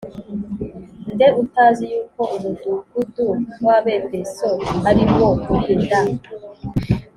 Nde Utazi Yuko Umudugudu W Abefeso Ari Wo Urinda